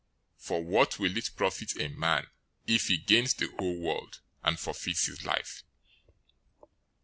016:026 For what will it profit a man, if he gains the whole world, and forfeits his life?